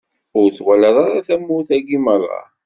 Ur twalaḍ ara tamurt-agi meṛṛa?